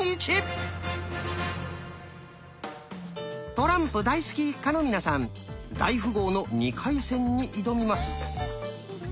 トランプ大好き一家の皆さん大富豪の２回戦に挑みます。